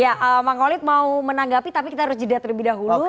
ya bang holid mau menanggapi tapi kita harus jeda terlebih dahulu